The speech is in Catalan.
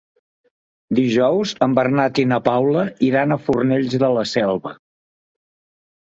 Dijous en Bernat i na Paula iran a Fornells de la Selva.